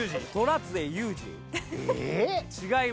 違います。